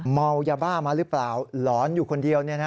เมายาบ้ามาหรือเปล่าหลอนอยู่คนเดียว